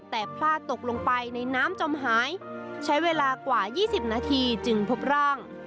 แต่พลาดตกลงไปในน้ำจมหายใช้เวลากว่า๒๐นาทีจึงพบร่าง